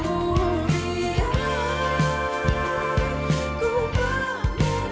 biar ku berpaling dahulu